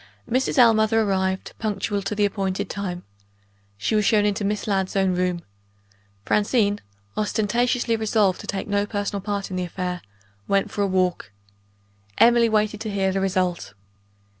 Mrs. Ellmother arrived, punctual to the appointed time. She was shown into Miss Ladd's own room. Francine ostentatiously resolved to take no personal part in the affair went for a walk. Emily waited to hear the result.